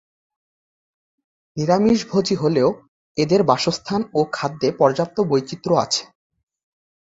নিরামিষভোজী হলেও এদের বাসস্থান ও খাদ্যে পর্যাপ্ত বৈচিত্র্য আছে।